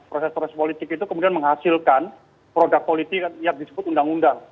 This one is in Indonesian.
proses proses politik itu kemudian menghasilkan produk politik yang disebut undang undang